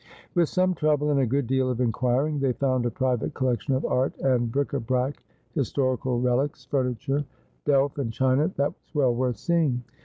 With some trouble, and a good deal of inquiring, they found a private collection of art and bric d hrac, historical relics, 282 Asphodel. furniture, delf, and china, that was well worth seeing.